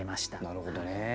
なるほどね。